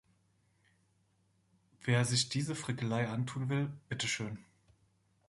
Wer sich diese Frickelei antun will, bitte schön!